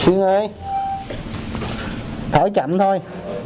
xuyên ơi thở chậm thôi